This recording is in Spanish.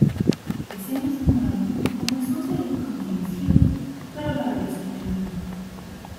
Ese mismo año, comenzó a salir con James Hill, pero la relación terminó.